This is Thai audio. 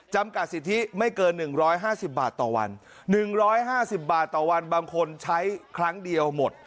จำกัดสิทธิไม่เกิน๑๕๐บาทต่อวัน๑๕๐บาทต่อวันบางคนใช้ครั้งเดียวหมด